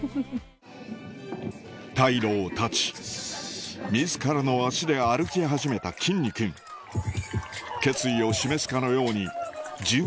退路を断ち自らの足で歩き始めたきんに君決意を示すかのように１５年ぶり